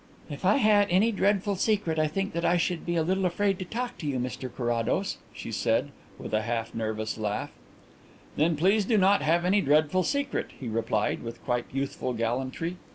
"If I had any dreadful secret, I think that I should be a little afraid to talk to you, Mr Carrados," she said, with a half nervous laugh. "Then please do not have any dreadful secret," he replied, with quite youthful gallantry.